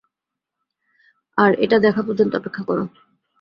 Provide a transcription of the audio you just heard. আর এটা দেখা পর্যন্ত অপেক্ষা করো।